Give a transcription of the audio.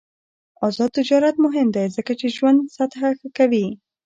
آزاد تجارت مهم دی ځکه چې ژوند سطح ښه کوي.